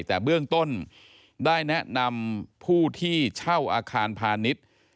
แต่เบื้องต้นได้แนะนำผู้ที่เช่าอาคารพาณิชย์